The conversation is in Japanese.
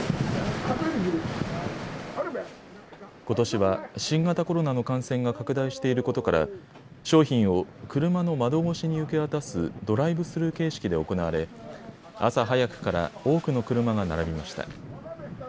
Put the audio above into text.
ことしは新型コロナの感染が拡大していることから商品を車の窓越しに受け渡すドライブスルー形式で行われ朝早くから多くの車が並びました。